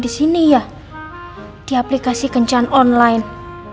di sini ya di aplikasi kencan online